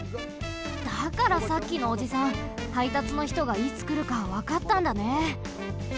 だからさっきのおじさんはいたつのひとがいつくるかわかったんだね。